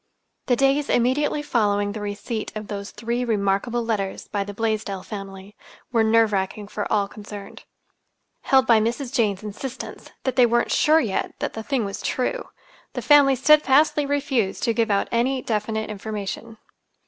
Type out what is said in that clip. The days immediately following the receipt of three remarkable letters by the Blaisdell family were nerve racking for all concerned. Held by Mrs. Jane's insistence that they weren't sure yet that the thing was true, the family steadfastly refused to give out any definite information.